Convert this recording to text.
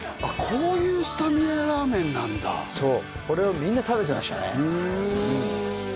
こういうスタミナラーメンなんだそうこれをみんな食べてましたね